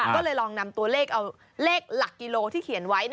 ก็เลยลองนำตัวเลขเอาเลขหลักกิโลที่เขียนไว้